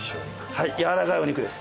やわらかいお肉です。